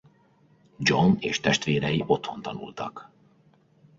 John és testvérei otthon tanultak.